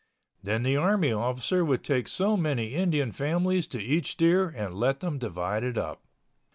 Then the army officer would take so many Indian families to each steer and let them divide it up.